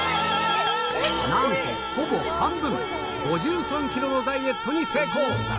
なんとほぼ半分５３ｋｇのダイエットに成功！